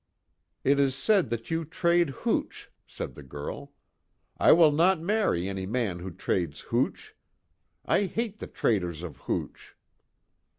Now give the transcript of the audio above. "It is said that you trade hooch," said the girl, "I will not marry any man who trades hooch. I hate the traders of hooch."